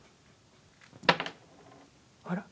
あら？